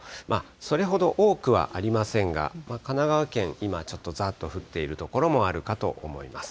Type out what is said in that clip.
それほど多くはありませんが、神奈川県、今ちょっとざーっと降っている所もあるかと思います。